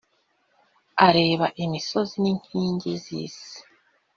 areba imisozi n’inkingi z’isi,